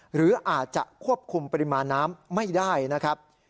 หรืออาจจะควบคุมปริมาณน้ำไม่ได้นะครับ